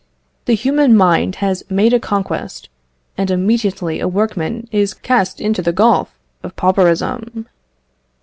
The human mind has made a conquest, and immediately a workman is cast into the gulf of pauperism.